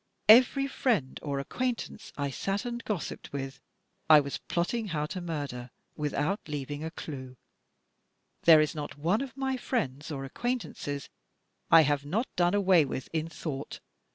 Every friend or acquaintance I sat and gossiped with, I was plotting how to murder without leaving a clue. There is not one of my friends or acquaintances I have not done away with in thought.